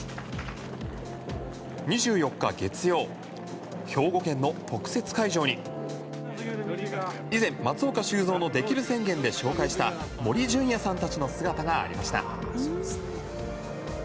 ２４日月曜兵庫県の特設会場に以前、松岡修造のできる宣言で紹介した森純也さんたちの姿がありました。